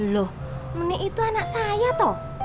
loh menik itu anak saya toh